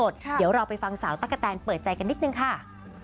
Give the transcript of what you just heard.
เดี๋ยวเราไปฟังสาวตั๊กกะแตนเปิดใจกันนิดนึงค่ะ